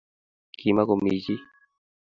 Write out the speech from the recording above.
Kimakomi chi.